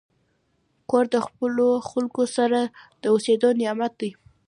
کور د خپلو خلکو سره د اوسېدو نعمت دی.